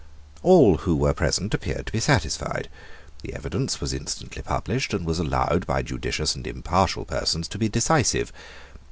All who were present appeared to be satisfied. The evidence was instantly published, and was allowed by judicious and impartial persons to be decisive.